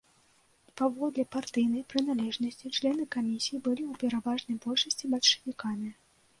Паводле партыйнай прыналежнасці члены камісій былі ў пераважнай большасці бальшавікамі.